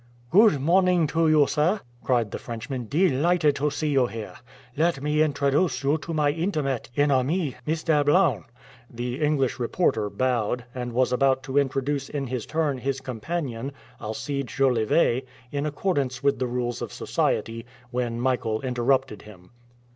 "Good morning to you, sir," cried the Frenchman. "Delighted to see you here. Let me introduce you to my intimate enemy, Mr. Blount." The English reporter bowed, and was about to introduce in his turn his companion, Alcide Jolivet, in accordance with the rules of society, when Michael interrupted him.